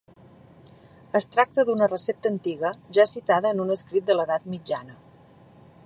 Es tracta d'una recepta antiga, ja citada en un escrit de l'edat mitjana.